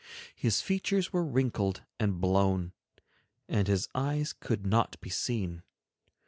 His features were wrinkled and blown, and his eyes could not be seen.